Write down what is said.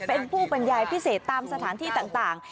เป็นผู้บรรยายพิเศษตามสถานที่ต่าง